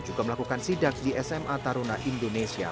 juga melakukan sidak di sma taruna indonesia